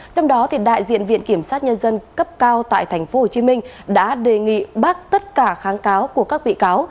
trong đó đại diện viện kiểm sát nhân dân cấp cao tại tp hcm đã đề nghị bác tất cả kháng cáo của các bị cáo